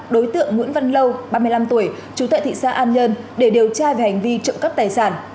đối tượng nguyễn văn lâu ba mươi năm tuổi chú tệ thị xã an nhân để điều tra về hành vi trộm cắp tài sản